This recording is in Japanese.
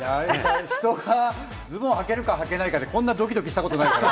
人がズボンはけるか、はけないかで、こんなにドキドキしたことない。